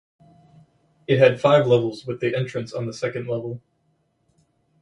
It had five levels with the entrance on the second level.